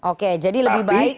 oke jadi lebih baik